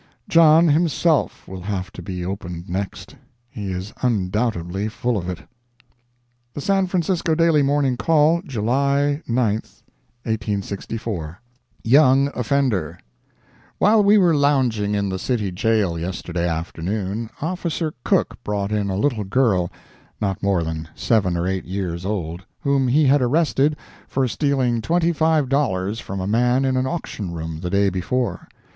John himself will have to be opened next—he is undoubtedly full of it. The San Francisco Daily Morning Call, July 9, 1864 YOUNG OFFENDER While we were lounging in the City Jail yesterday afternoon, Officer Cook brought in a little girl, not more than seven or eight years old, whom he had arrested for stealing twenty five dollars from a man in an auction room the day before.